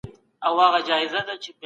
د بشر نیکمرغي په یووالي کي ده.